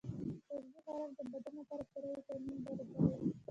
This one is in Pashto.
سبزي خوراک د بدن لپاره پوره ويټامینونه برابروي.